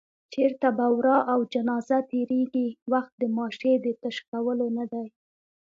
چېرته به ورا او جنازه تېرېږي، وخت د ماشې د تش کولو نه دی